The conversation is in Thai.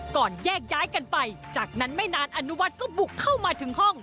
ก่อนแยกย้ายกันไปจากนั้นไม่นานอนุวัฒน์ก็บุกเข้ามาถึงห้อง